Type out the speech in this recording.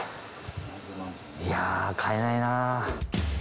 いや買えないな。